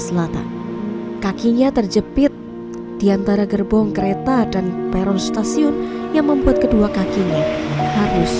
selatan kakinya terjepit diantara gerbong kereta dan peron stasiun yang membuat kedua kakinya harus